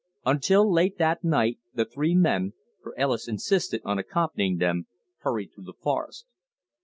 Until late that night the three men for Ellis insisted on accompanying them hurried through the forest.